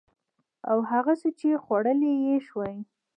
او هغه څه چې خوړلي يې شول